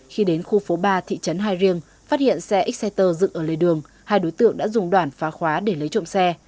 khi đến khu phố ba thị trấn hai riêng phát hiện xe xcer dựng ở lề đường hai đối tượng đã dùng đoàn phá khóa để lấy trộm xe